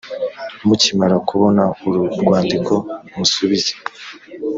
mukimara kubona uru rwandiko musubize